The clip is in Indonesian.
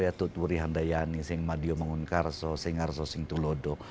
yaitu turi handayani seng madio mengunkarso seng arso singtulodo